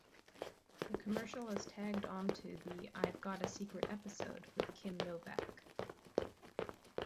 The commercial is tagged onto the I've Got a Secret episode with Kim Novak.